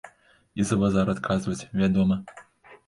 І за базар адказваць, вядома.